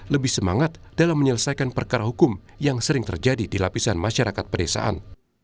lebih semangat dalam menyelesaikan perkara hukum yang sering terjadi di lapisan masyarakat pedesaan